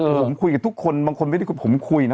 ผมคุยกับทุกคนบางคนไม่ได้คุยผมคุยนะ